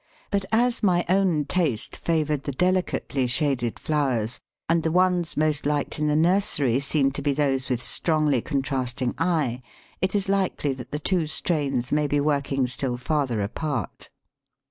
But as my own taste favoured the delicately shaded flowers, and the ones most liked in the nursery seemed to be those with strongly contrasting eye, it is likely that the two strains may be working still farther apart.